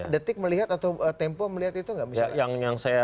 detik melihat atau tempo melihat itu nggak bisa